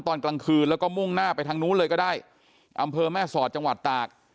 ตอนกลางคืนแล้วก็มุ่งหน้าไปทางนู้นเลยก็ได้อำเภอแม่สอดจังหวัดตาก